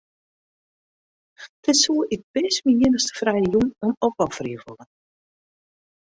Dêr soe ik bêst myn iennichste frije jûn oan opofferje wolle.